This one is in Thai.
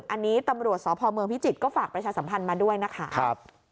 อันนี้ตำรวจสพเมืองพิจิตรก็ฝากประชาสัมพันธ์มาด้วยนะคะ